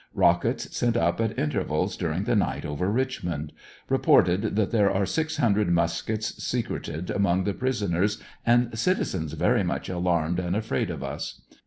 Rockets sent up at intervals during the night over Richmond. Reported that there are six hundred muskets secreted among the prisoners and citizens very much alarmed and afraid of us.